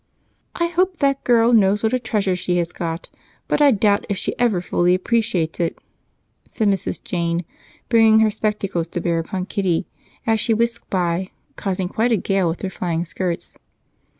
"I hope that girl knows what a treasure she has got. But I doubt if she ever fully appreciates it," said Mrs. Jane, bringing her spectacles to bear upon Kitty as she whisked by, causing quite a gale with her flying skirts.